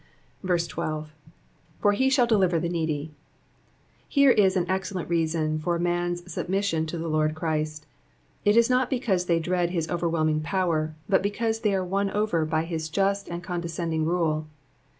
12. ^'For ?ie shall deliver the needy.'''' Here is an excellent reason for man's submission to the Lord Christ ; it is not because they dread his overwhelming power, but because they are won over by his just and condescending rule.